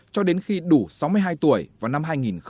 cho đến khi đủ sáu mươi hai tuổi vào năm hai nghìn hai mươi tám